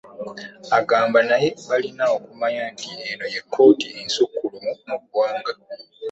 Agamba naye balina okumanya nti eno ye kkooti ensukkulumu mu ggwanga